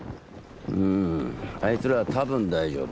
んあいつらは多分大丈夫。